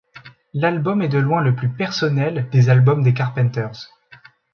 L'album est de loin le plus personnel des albums des Carpenters.